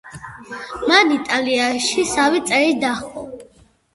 მან იტალიაში სამი წელი დაჰყო.